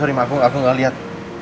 sorry ma aku gak liat